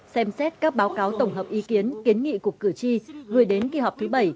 xem xét các báo cáo tổng hợp ý kiến kiến nghị của cử tri gửi đến kỳ họp thứ bảy